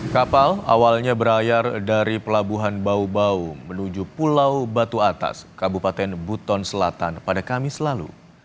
kapal awalnya berlayar dari pelabuhan bau bau menuju pulau batu atas kabupaten buton selatan pada kamis lalu